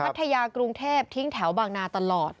พัทยากรุงเทพทิ้งแถวบางนาตลอด